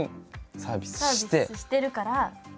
サービスしてるから。